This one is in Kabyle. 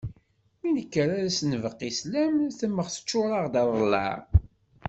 Mi nekker ad as-nbeqqi sslam temmeɣ teččur-aɣ-d aḍellaɛ n